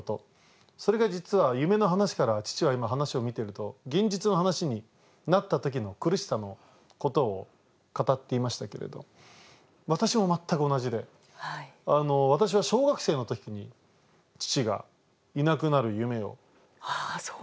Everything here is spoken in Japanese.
それが実は夢の話から父は今話を見てると現実の話になった時の苦しさのことを語っていましたけれど私も全く同じで私は小学生の時に父がいなくなる夢を。